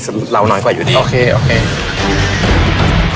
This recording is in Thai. ร้างล้อนน้อยกว่าอยู่ที่นี่